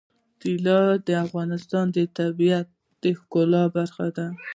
طلا د افغانستان د طبیعت د ښکلا برخه ده.